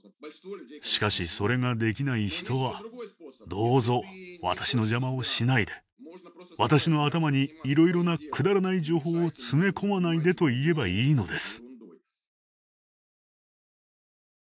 しかしそれができない人は「どうぞ私の邪魔をしないで私の頭にいろいろなくだらない情報を詰め込まないで」と言えばいいのです。